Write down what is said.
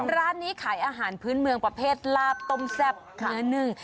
ร้านนี้ขายอาหารพื้นเมืองประเภทลาบต้มแซ่บเนื้อนึ่ง